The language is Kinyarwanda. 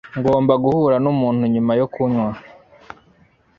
Ngomba guhura numuntu nyuma yo kunywa.